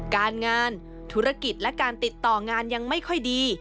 การงานธุรกิจและการติดต่องานยังไม่ค่อยดี